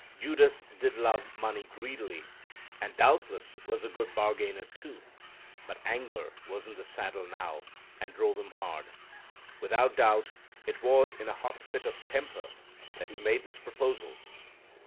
Judas did love money greedily, and doubtless was a good bargainer too, but anger was in the saddle now, and drove him hard. Without doubt it was in a hot fit of temper that he made this proposal.